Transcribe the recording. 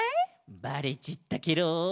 バレちったケロ。